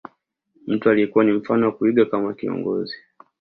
Mtu aliyekuwa ni mfano wa kuigwa kama kiongozi